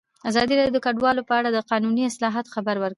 ازادي راډیو د کډوال په اړه د قانوني اصلاحاتو خبر ورکړی.